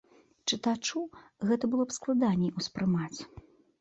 Чытачу гэта было б складаней успрымаць.